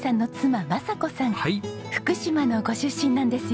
福島のご出身なんですよ。